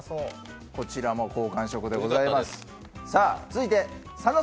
こちらも好感触でございます。